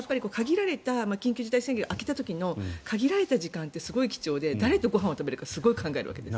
緊急事態宣言が明けた時の限られた時間ってすごい貴重で誰とご飯を食べるかすごく考えるわけです。